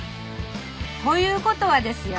ということはですよ